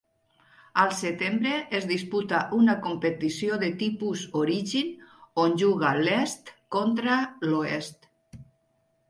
Al setembre es disputa una competició de tipus Origin on juga l'Est contra l'Oest.